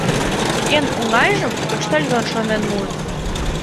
Эн оҥайжым почтальон шонен муын.